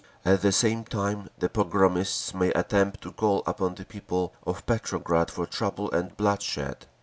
At the same time the pogromists may attempt to call upon the people of Petrograd for trouble and bloodshed.